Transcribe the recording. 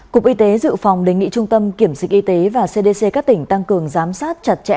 cục y tế dự phòng đề nghị trung tâm kiểm dịch y tế và cdc các tỉnh tăng cường giám sát chặt chẽ